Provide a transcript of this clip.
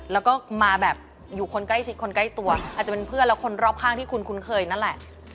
แล้วก็มาแบบอยู่คนใกล้ชิดคนใกล้ตัวอาจจะเป็นเพื่อนแล้วคนรอบข้างที่คุณคุ้นเคยนั่นแหละ